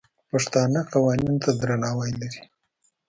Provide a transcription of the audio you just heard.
پښتانه قوانینو ته درناوی لري.